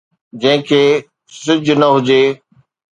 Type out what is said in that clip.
جنهن کي سج نه هجي